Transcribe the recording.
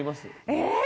えっ！